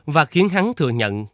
và khiến hắn thừa nhận